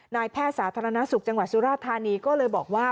แพทย์สาธารณสุขจังหวัดสุราธานีก็เลยบอกว่า